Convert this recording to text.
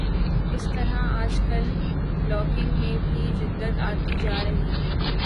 اسی طرح آج کل بلاگنگ میں بھی جدت آتی جا رہی ہے